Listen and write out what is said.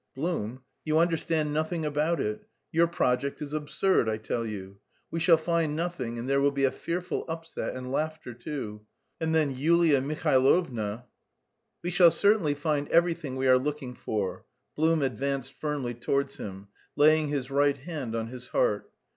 "Blum, you understand nothing about it; your project is absurd, I tell you. We shall find nothing and there will be a fearful upset and laughter too, and then Yulia Mihailovna..." "We shall certainly find everything we are looking for." Blum advanced firmly towards him, laying his right hand on his heart.